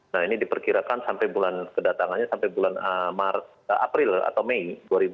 nah ini diperkirakan sampai bulan kedatangannya sampai bulan april atau mei dua ribu dua puluh